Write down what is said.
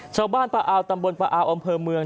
ชาวบ้านปะอาวตำบลปะอาวอำเภอเมือง